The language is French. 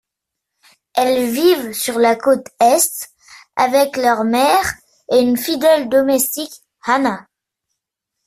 Elles vivent sur la côte Est avec leur mère et une fidèle domestique, Hannah.